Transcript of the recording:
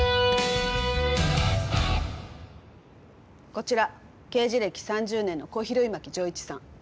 こちら刑事歴３０年の小比類巻丈一さん。